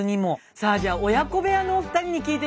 さあじゃあ親子部屋のお二人に聞いてみましょう。